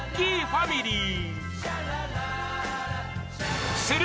ファミリー。